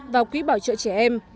vào quý bảo trợ trẻ em